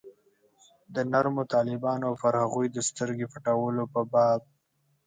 د نرمو طالبانو او پر هغوی د سترګې پټولو په باب.